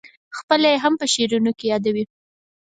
خپله یې هم په شعرونو کې یادوې.